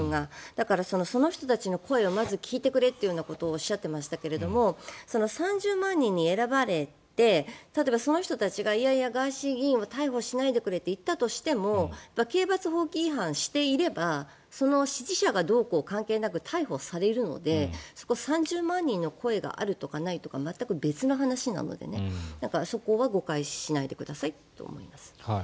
だから、その人たちの声を聞いてくれということをおっしゃっていましたが３０万人に選ばれて例えばその人たちがいやいや、ガーシー議員を逮捕しないでくれって言ったとしても刑罰法規違反していれば支持者がどうこうは関係なく逮捕されるので３０万人の声があるとかないとか全く別の話なのでねだからそこは誤解しないでくださいと思います。